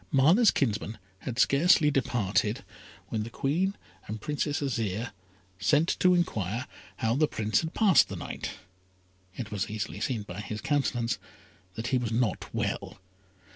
Mana's kinsman had scarcely departed, when the Queen and Princess Azire sent to enquire how the Prince had passed the night. It was easily seen by his countenance that he was not well.